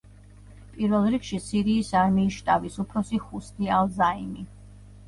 პირველ რიგში სირიის არმიის შტაბის უფროსი ჰუსნი ალ-ზაიმი.